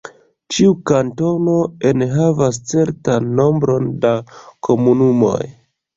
Ĉiu kantono enhavas certan nombron da komunumoj.